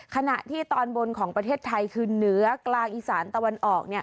ขณะที่ตอนบนของประเทศไทยคือเหนือกลางอีสานตะวันออก